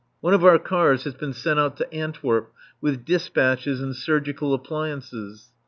One of our cars has been sent out to Antwerp with dispatches and surgical appliances.